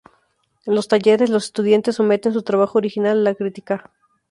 En los talleres los estudiantes someten su trabajo original a la crítica.